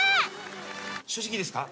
「正直ですか？